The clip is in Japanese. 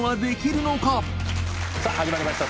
さぁ始まりました